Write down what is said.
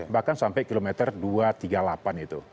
bahkan sampai kilometer dua ratus tiga puluh delapan itu